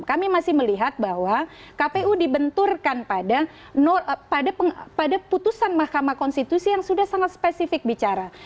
kami masih melihat bahwa kpu dibenturkan pada putusan mahkamah konstitusi yang sudah sangat spesifik bicara